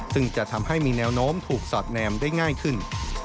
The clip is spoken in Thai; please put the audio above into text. ซึ่งจะทำให้มีแนวโน้มถูกสอดแนมได้ง่ายขึ้น